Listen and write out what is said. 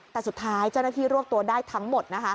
แต่สุดท้ายเจ้าหน้าที่รวบตัวได้ทั้งหมดนะคะ